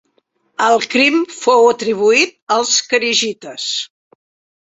El crim fou atribuït als kharigites.